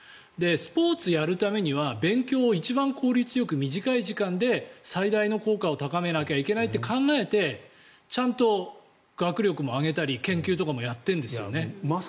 スポーツをやるためには勉強を一番効率よく短い時間で最大の効果を高めなきゃいけないって考えてちゃんと学力もあげたり研究とかもやってるんですよね。